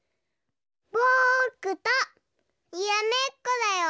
ぼくとにらめっこだよ！